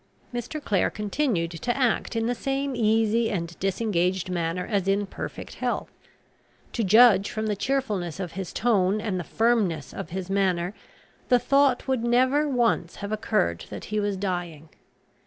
Mr. Clare continued to act in the same easy and disengaged manner as in perfect health. To judge from the cheerfulness of his tone and the firmness of his manner, the thought would never once have occurred that he was dying.